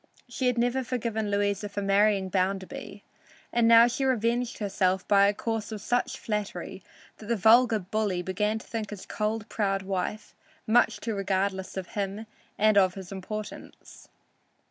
She had never forgiven Louisa for marrying Bounderby, and she now revenged herself by a course of such flattery that the vulgar bully began to think his cold, proud wife much too regardless of him and of his importance.